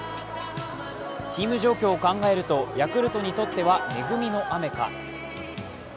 チーム状況を考えるとヤクルトにとっては恵みの雨か。